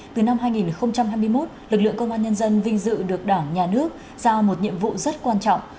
từ năm hai nghìn hai mươi một lực lượng công an nhân dân vinh dự được đảng nhà nước giao một nhiệm vụ rất quan trọng